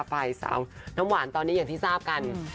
ฝ่ายสาวน้ำหวานตอนนี้อย่างที่ทราบกัน